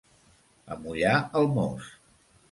Amollar el mos.